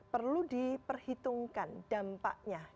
perlu diperhitungkan dampaknya